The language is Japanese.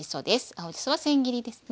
青じそはせん切りですね。